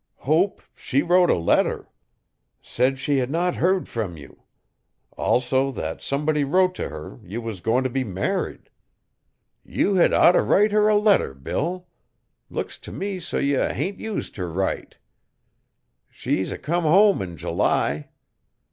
Hope she wrote a letter. Said she had not herd from you. also that somebody wrote to her you was goin to be married. You had oughter write her a letter, Bill. Looks to me so you hain't used her right. Shes a comm horn in July.